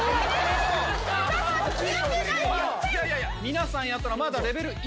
皆さんやったのはまだレベル１。